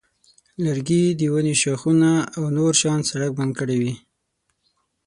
لرګي د ونې ښاخونه او نور شیان سړک بند کړی وي.